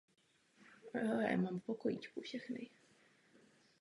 Je také členkou Městského divadla Brno.